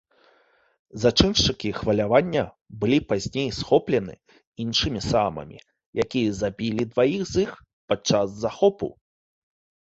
Зачыншчыкі хвалявання былі пазней схоплены іншымі саамамі, якія забілі дваіх з іх падчас захопу.